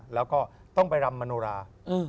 แล้วก็ต้องไปรำมโนรา